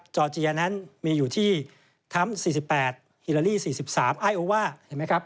จอร์เจียนั้นมีอยู่ที่ทั้ง๔๘ฮิลาลี๔๓ไอโอว่า